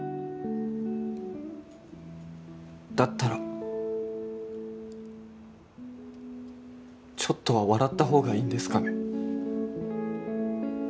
だったらちょっとは笑ったほうがいいんですかね？